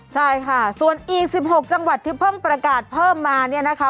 ใช่ค่ะส่วนอีก๑๖จังหวัดที่เพิ่งประกาศเพิ่มมาเนี่ยนะคะ